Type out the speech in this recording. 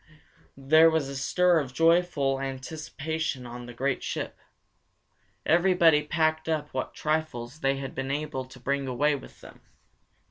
There was a stir of joyful anticipation on the great ship. Everybody packed up what trifles they had been able to bring away with them.